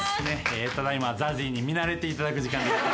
ただ今ＺＡＺＹに見慣れていただく時間。